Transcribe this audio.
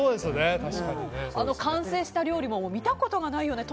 あの完成した料理も見たことがないような。